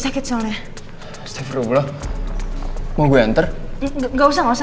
jadi nanti ppe aku diperlu hantar ke ist twitch listeners kan